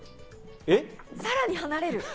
さらに離れる？